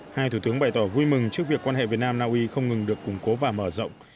hai thủ tướng bày tỏ vui mừng trước việc quan hệ việt nam naui không ngừng được củng cố và mở rộng